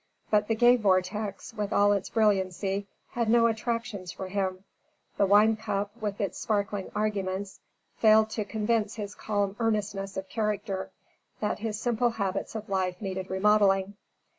But the gay vortex, with all its brilliancy, had no attractions for him; the wine cup, with its sparkling arguments, failed to convince his calm earnestness of character, that his simple habits of life needed remodeling.